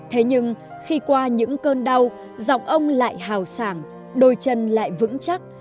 thế nhưng khi qua những cơn đau dòng ông lại hào sảng đôi chân lại vững chắc